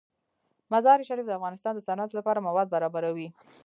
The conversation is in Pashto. مزارشریف د افغانستان د صنعت لپاره مواد برابروي.